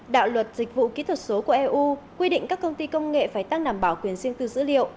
đạo luật dịch vụ kỹ thuật số của eu quy định các công ty công nghệ phải tăng đảm bảo quyền riêng tư dữ liệu